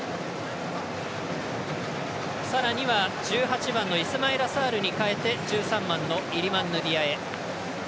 さらには１８番のイスマイラ・サールに代えて１３番のイリマン・ヌディアエ。